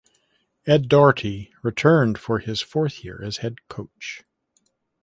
Ed Doherty returned for his fourth year as head coach.